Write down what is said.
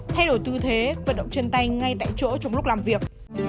như thế vận động trên tay ngay tại chỗ trong lúc làm việc